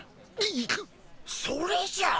ぐっそれじゃあ。